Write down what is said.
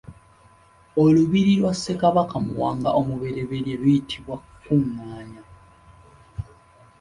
Olubiri lwa Ssekabaka Mwanga omuberyeberye luyitibwa Kuŋŋaanya.